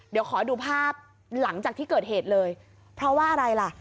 เดี๋ยวขอดูภาพหลังจากที่เกิดเหตุเลยเพราะว่าอะไรล่ะ